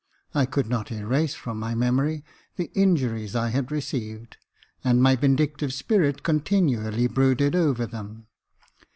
I could not erase from my memory the injuries I had received, and my vindictive spirit continually brooded over them.